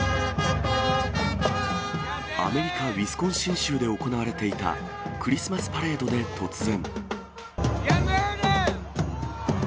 アメリカ・ウィスコンシン州で行われていた、クリスマスパレードで突然。